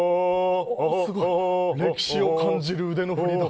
歴史を感じる腕の振りだ。